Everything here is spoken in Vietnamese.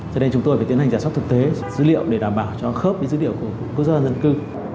cho nên chúng tôi phải tiến hành giả sóc thực tế dữ liệu để đảm bảo cho khớp với dữ liệu của cơ sở dân cư